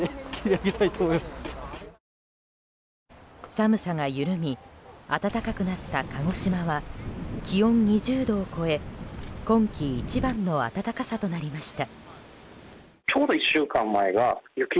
寒さが緩み暖かくなった鹿児島は気温２０度を超え今季一番の暖かさとなりました。